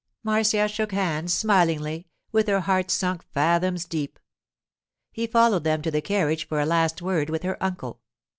Marcia shook hands smilingly, with her heart sunk fathoms deep. He followed them to the carriage for a last word with her uncle.